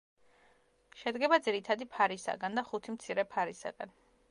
შედგება ძირითადი ფარისაგან და ხუთი მცირე ფარისაგან.